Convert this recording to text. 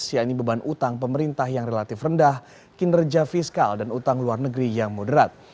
yaitu beban utang pemerintah yang relatif rendah kinerja fiskal dan utang luar negeri yang moderat